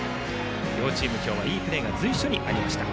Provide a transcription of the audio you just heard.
両チームいいプレーが今日は随所にありました。